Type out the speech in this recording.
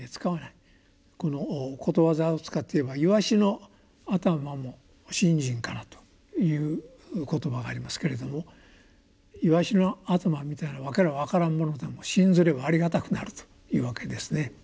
このことわざを使って言えば「鰯の頭も信心から」という言葉がありますけれども鰯の頭みたいな訳の分からんものでも信ずればありがたくなるというわけですね。